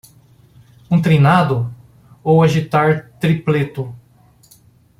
Um trinado? ou agitar tripleto.